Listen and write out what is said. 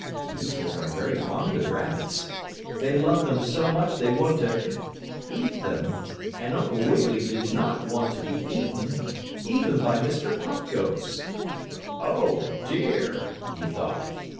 Weasels are very fond of rabbits. They love them so much they want to eat them, and Uncle Wiggily did not want to be eaten, even by Mr. Pop Goes. "Oh, dear!" he thought.